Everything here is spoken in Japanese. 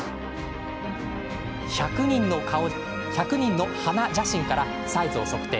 １００人の鼻写真からサイズを測定。